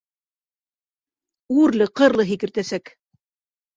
Үрле-ҡырлы һикертәсәк!